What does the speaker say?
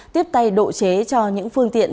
tiếp tay độ chế cho những phương tiện